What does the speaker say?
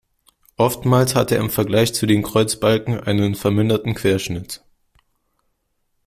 Oftmals hat er im Vergleich zu den Kreuzbalken einen verminderten Querschnitt.